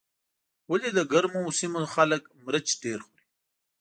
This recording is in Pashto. ولې د ګرمو سیمو خلک مرچ ډېر خوري.